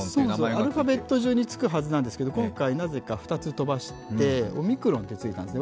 アルファベット順につくわけなんですけれども、今回、なぜか２つ飛ばしてオミクロンってついたんですね。